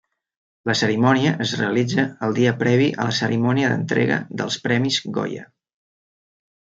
La cerimònia es realitza el dia previ a la cerimònia d'entrega dels premis Goya.